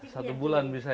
satu bulan bisa ya